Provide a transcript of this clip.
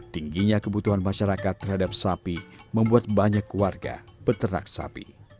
tingginya kebutuhan masyarakat terhadap sapi membuat banyak warga peternak sapi